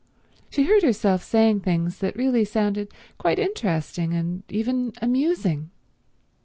She heard herself saying things that really sounded quite interesting and even amusing.